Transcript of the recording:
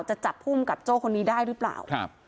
จะจับภูมิกับโจ้คนนี้ได้หรือเปล่า